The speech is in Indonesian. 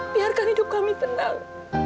biarkan hidup kami tenang